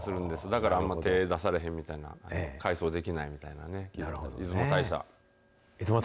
だからあんま手出されへんみたいな、改装できないみたいなね、出出雲大社。